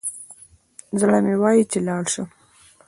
زړه مي وايي چي لاړ شم